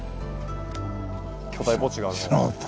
巨大墓地がある。